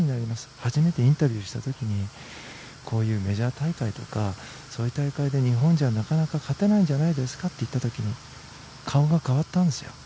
初めてインタビューした時にこういうメジャー大会とかそういう大会で日本じゃなかなか勝てないんじゃないですかと言った時に顔が変わったんですよ。